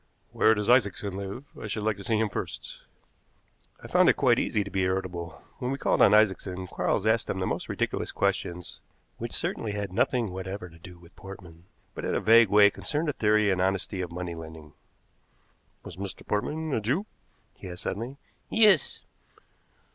Where does Isaacson live? I should like to see him first." I found it quite easy to be irritable. When we called on Isaacson, Quarles asked him the most ridiculous questions which certainly had nothing whatever to do with Portman, but in a vague way concerned the theory and honesty of money lending. "Was Mr. Portman a Jew?" he asked suddenly. "Yes."